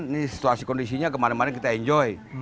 ini situasi kondisinya kemarin kemarin kita enjoy